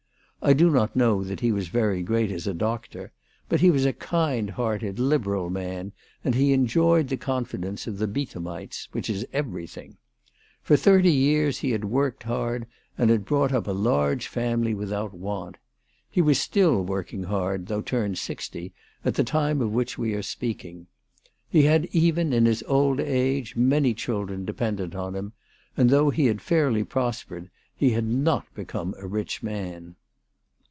I do not know that he was very great as a doctor ; but he was a kind hearted, liberal man, and he enjoyed the confidence of the Beetham ites, which is everything. For thirty years he had worked hard and had brought up a large family without want. He was still working hard, though turned sixty, at the time of which we are speaking. He had even in his old age many children dependent on him, and though he had fairly prospered, he had not become a rich man.